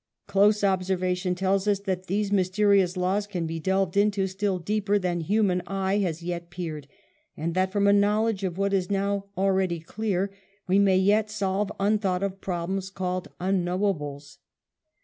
Close observation tells us that these mysterious laws can be delved into still deeper than human eye has yet peered, and that from a knowledge of what is now already clear, we may yet solve unthought of problems called ''unknowables."